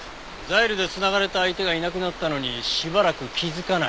ザイルで繋がれた相手がいなくなったのにしばらく気づかない。